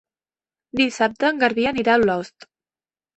Dissabte en Garbí anirà a Olost.